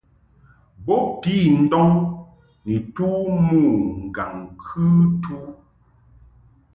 Bo pi ndɔŋ ni tu mo ŋgaŋ-kɨtu.